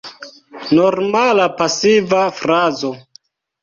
Normala pasiva frazo.